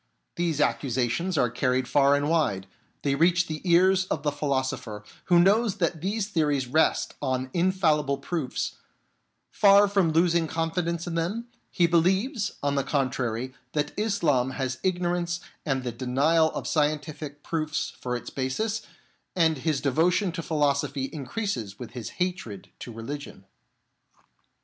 These accusations are carried far and wide, they reach the ears of the philosopher who knows that these theories rest on infallible proofs ; far from losing confidence in them, he believes, on the contrary, that Islam has ignorance and the denial of scientific proofs for its basis, and his devotion to philosophy increases with his hatred to religion.